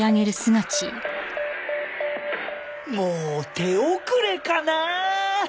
もう手遅れかな？